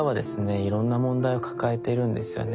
いろんな問題を抱えているんですよね。